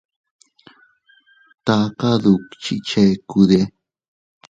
¿Taka dukchi chekude?